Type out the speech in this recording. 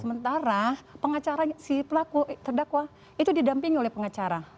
sementara pengacara si pelaku terdakwa itu didampingi oleh pengacara